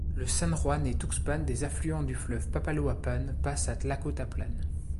Le San Juan et Tuxpan, des affluents du fleuve Papaloapan passent à Tlacotaplan.